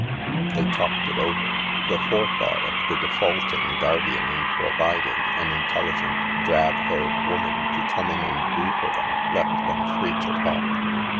,They talked it over. The forethought of the defaulting guardian in providing an intelligent, drab haired woman to come in and do for them left them free to talk.